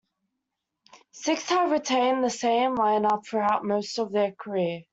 Sikth had retained the same line-up throughout most of their career.